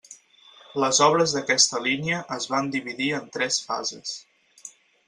Les obres d'aquesta línia es van dividir en tres fases.